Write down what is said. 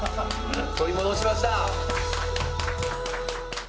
取り戻しました。